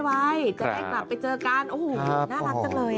จะได้กลับไปเจอกันโอ้โหน่ารักจังเลย